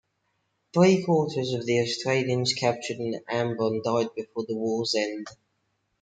Three-quarters of the Australians captured on Ambon died before the war's end.